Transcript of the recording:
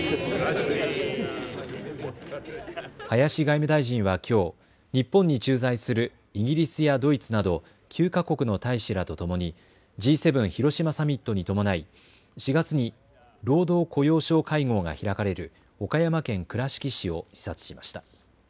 林外務大臣はきょう日本に駐在するイギリスやドイツなど９か国の大使らとともにＧ７広島サミットに伴い４月に労働雇用相会合が開かれる岡山県倉敷市を視察しました。